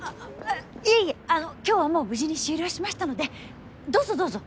ええ今日はもう無事に終了しましたのでどうぞどうぞ。